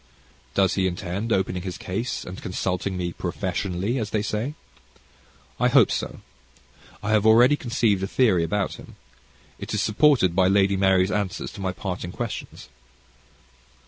Does he intend opening his case, and consulting me "professionally," as they say? I hope so. I have already conceived a theory about him. It is supported by Lady Mary's answers to my parting questions.